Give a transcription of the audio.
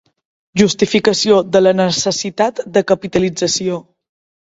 Justificació de la necessitat de Capitalització.